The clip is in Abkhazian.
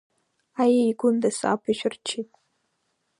Аиеи, Гәында, сааԥышәырччеит.